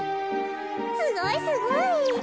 すごいすごい。